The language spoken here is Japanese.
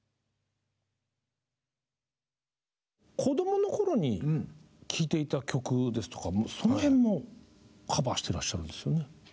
子どもの頃に聴いていた曲ですとかその辺もカバーしてらっしゃるんですよね。